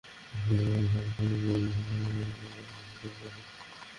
পরে তাঁকে মিসরের সিনাইয়ের বেদুইন দুর্বৃত্তদের কাছে তাঁকে বিক্রি করে দেওয়া হয়।